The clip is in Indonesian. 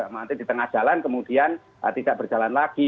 nanti di tengah jalan kemudian tidak berjalan lagi